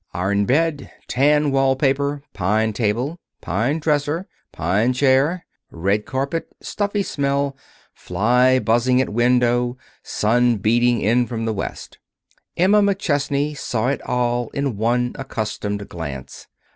Iron bed tan wall paper pine table pine dresser pine chair red carpet stuffy smell fly buzzing at window sun beating in from the west. Emma McChesney saw it all in one accustomed glance.